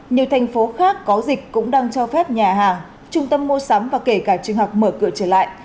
nhiều thành phố khác có dịch cũng đang cho phép nhà hàng trung tâm mua sắm và kể cả trường học mở cửa trở lại